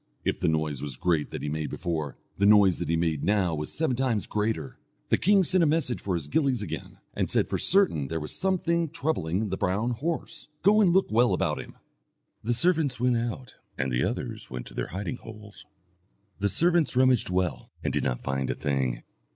If the noise was great that he made before, the noise that he made now was seven times greater. The king sent a message for his gillies again, and said for certain there was something troubling the brown horse. "Go and look well about him." The servants went out, and the others went to their hiding holes. The servants rummaged well, and did not find a thing.